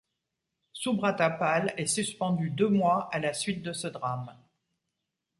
Subrata Pal est suspendu deux mois à la suite de ce drame.